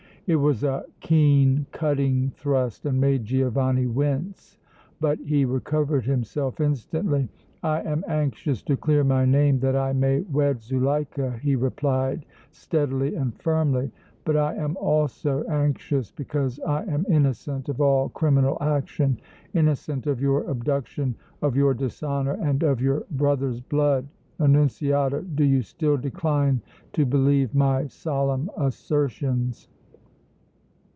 It was a keen, cutting thrust and made Giovanni wince, but he recovered himself instantly. "I am anxious to clear my name that I may wed Zuleika," he replied, steadily and firmly, "but I am also anxious because I am innocent of all criminal action innocent of your abduction, of your dishonor and of your brother's blood! Annunziata, do you still decline to believe my solemn assertions?"